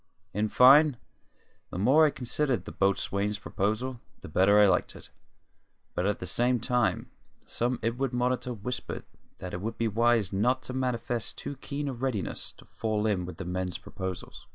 In fine, the more I considered the boatswain's proposal, the better I liked it; but at the same time some inward monitor whispered that it would be wise not to manifest too keen a readiness to fall in with the men's proposals.